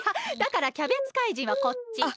だからキャベツ怪人はこっち！